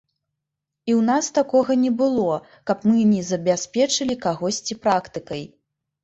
І ў нас такога не было, каб мы не забяспечылі кагосьці практыкай.